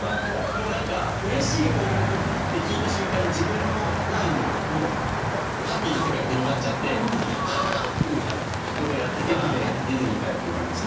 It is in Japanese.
もうなんかうれしい報告って聞いた瞬間に自分の前にハッピーな世界広がっちゃってハア！みたいな事をやってたら「ディズニーかよ！」って言われました。